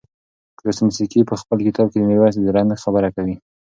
کروسنسکي په خپل کتاب کې د میرویس د درنښت خبره کوي.